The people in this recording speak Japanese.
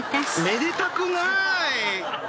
めでたくない。